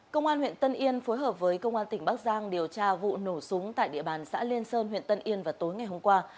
công an huyện tân yên phối hợp với công an tỉnh bắc giang điều tra vụ nổ súng tại địa bàn xã liên sơn huyện tân yên vào tối ngày hôm qua